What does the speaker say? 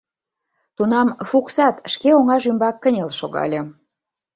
Тунам Фуксат шке оҥаж ӱмбак кынел шогале.